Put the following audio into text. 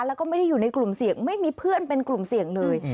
แล้วก็ไม่ได้อยู่ในกลุ่มเสี่ยงไม่มีเพื่อนเป็นกลุ่มเสี่ยงเลย